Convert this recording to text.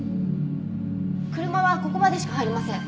車はここまでしか入れません。